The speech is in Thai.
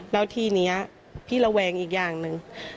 แล้วทีนี้พี่ระแวงอีกอย่างหนึ่ง